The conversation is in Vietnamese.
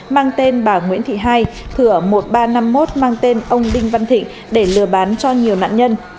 mang tên bà nguyễn thị hai thừa một nghìn ba trăm năm mươi một mang tên ông đinh văn thịnh để lừa bán cho nhiều nạn nhân